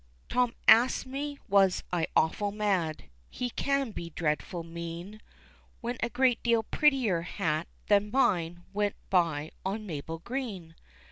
Tom asked me was I awful mad (he can be dreadful mean) When a great deal prettier hat than mine went by on Mabel Green?